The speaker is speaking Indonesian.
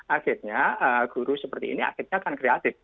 akhirnya guru seperti ini akhirnya akan kreatif